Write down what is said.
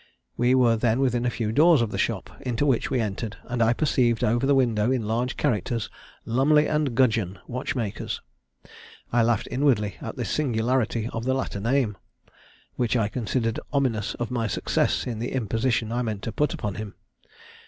We were then within a few doors of the shop, into which we entered; and I perceived over the window in large characters, 'Lumley and Gudgeon, watchmakers.' I laughed inwardly at the singularity of the latter name, which I considered ominous of my success in the imposition I meant to put upon him.